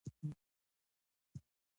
ژبه به ساتل سوې وي.